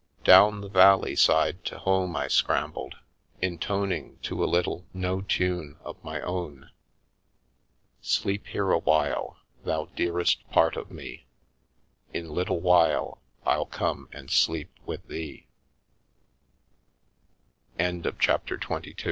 Down the valley side to home I scrambled, intoning to a little no tune of my own: —" Sleep here awhile, Thou dearest Part of Me — In little while I'll come and sleep with Th